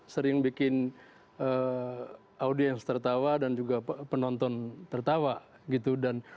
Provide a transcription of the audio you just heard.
sering bikin audiens tertawa dan juga penonton tertawa gitu